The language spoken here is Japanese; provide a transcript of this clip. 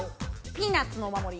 ピーナッツのお守り。